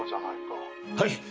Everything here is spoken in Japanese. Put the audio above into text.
はい！